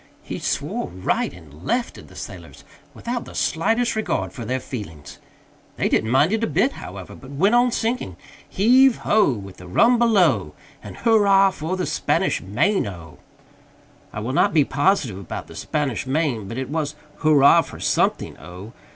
He swore right and left at the sailors without the slightest regard for their feelings. They didn't mind it a bit, however, but went on singing "Heave ho! With the rum below, And hurrah for the Spanish Main O!" I will not be positive about "the Spanish Main," but it was hurrah for something O.